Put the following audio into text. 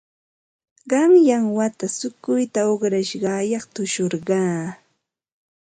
Qanyan wata shukuyta uqrashqayaq tushurqaa.